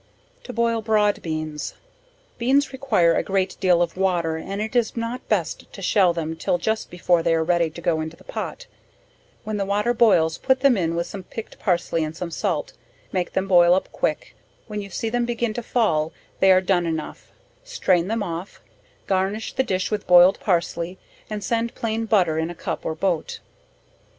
To boil broad Beans. Beans require a great deal of water and it is not best to shell them till just before they are ready to go into the pot, when the water boils put them in with some picked parsley and some salt, make them boil up quick, when you see them begin to fall, they are done enough, strain them off, garnish the dish with boiled parsley and send plain butter in a cup or boat.